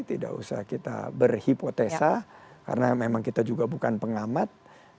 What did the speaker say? tidak usah kita berhipotesa karena memang kita juga bukan pengamat